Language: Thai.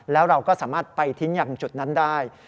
แล้วเราก็สามารถไปทิ้งอย่างจุดนั้นได้